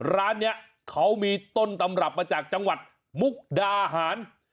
ร้านนี้เขามีต้นตำรับมาจากจังหวัดมุกดาหาร